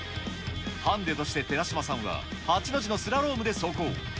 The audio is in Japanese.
ハンデとして寺嶋さんは、８の字のスラロームで走行。